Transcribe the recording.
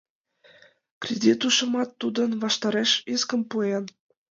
Кредит ушемат тудын ваштареш искым пуэн.